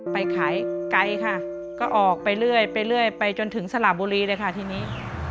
ไปขายไกลค่ะก็ออกไปเรื่อยไปเรื่อยไปจนถึงสระบุรีเลยค่ะทีนี้